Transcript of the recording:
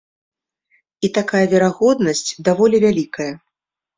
І такая верагоднасць даволі вялікая.